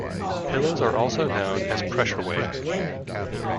Pillows are also known as "pressure waves".